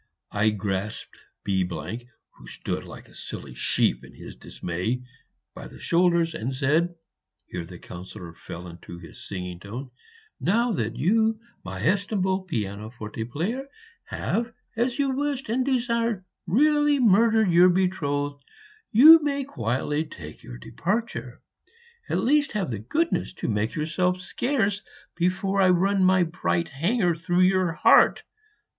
I grasped B , who stood like a silly sheep in his dismay, by the shoulders, and said (here the Councillor fell into his singing tone), 'Now that you, my estimable pianoforte player, have, as you wished and desired, really murdered your betrothed, you may quietly take your departure; at least have the goodness to make yourself scarce before I run my bright hanger through your heart.